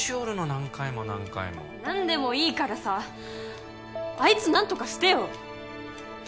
何回も何回も何でもいいからさアイツ何とかしてよ！